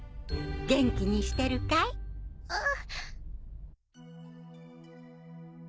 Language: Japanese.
元気にしてるかい？あっ。